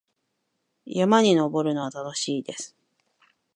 山に登るのは楽しいです。